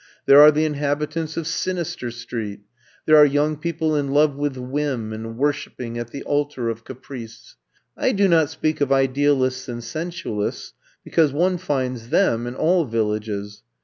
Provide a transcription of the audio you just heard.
There are the inhabitants of Sin ister Street. There are young people in love with Whim, and worshiping at the altar of Caprice. I do not speak of ideal ists and sensualists, because one finds them in all villages.